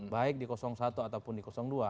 baik di satu ataupun di dua